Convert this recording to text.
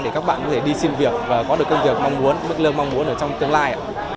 để các bạn có thể đi xin việc và có được công việc mong muốn mức lương mong muốn trong tương lai